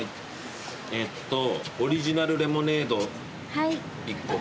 えっとオリジナルレモネード１個と。